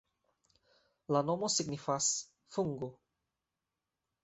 La nomo signifas: fungo.